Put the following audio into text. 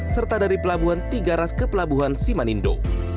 serta dari pelabuhan tigaras ke pelabuhan simanindo